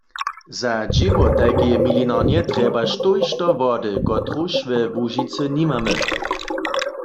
Za dźěło tajkeje milinarnje trjebaš tójšto wody, kotruž we Łužicy nimamy.